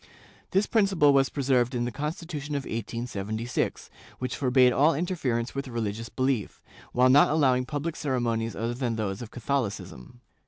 This principle was preserved in the Constitution of 1876, which forbade all interference with religious belief, while not allowing public ceremonies other than those of Catholicism.